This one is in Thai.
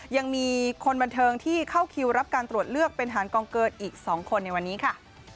ยังมีคนบันเทิงที่เข้าคิวรับการตรวจเลือกเป็นหารกองเกินอีก๒คนในวันนี้ค่ะ